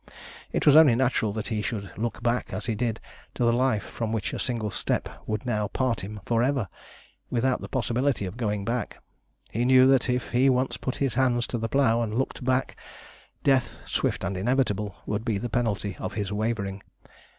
It was only natural that he should look back, as he did, to the life from which a single step would now part him for ever, without the possibility of going back. He knew that if he once put his hands to the plough, and looked back, death, swift and inevitable, would be the penalty of his wavering.